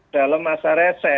dalam masa rese